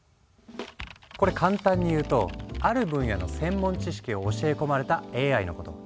これ簡単に言うとある分野の専門知識を教え込まれたＡＩのこと。